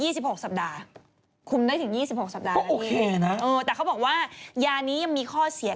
คุมได้ถึง๒๖สัปดาห์แล้วนี่แหละเนี่ยเออแต่เขาบอกว่ายานี้ยังมีข้อเสีย